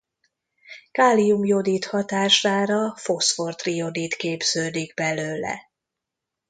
Kálium-jodid hatására foszfor-trijodid képződik belőle.